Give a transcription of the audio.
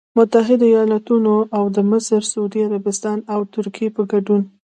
متحدوایالتونو او د مصر، سعودي عربستان او ترکیې په ګډون